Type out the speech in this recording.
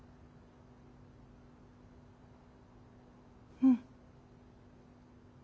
うん。